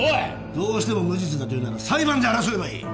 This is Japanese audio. どうしても無実だと言うなら裁判で争えばいい